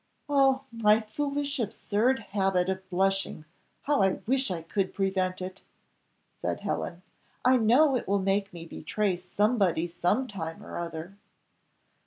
"Oh, my foolish absurd habit of blushing, how I wish I could prevent it!" said Helen; "I know it will make me betray somebody some time or other."